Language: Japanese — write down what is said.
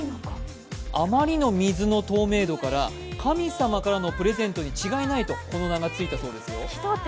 あまりの水の透明度から神様からのプレゼントに違いないとこの名が付いたそうですよ。